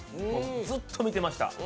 ずっと見てました。